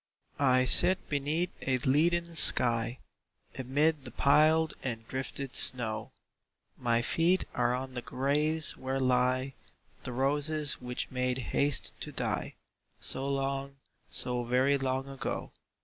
II. I sit beneath a leaden sky, Amid the piled and drifted snow; My feet are on the graves where lie The roses which made haste to die So long, so very long ago.